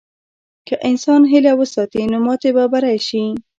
که انسان هیله وساتي، نو ماتې به بری شي.